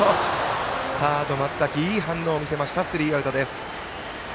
サード松崎、いい反応を見せてスリーアウト。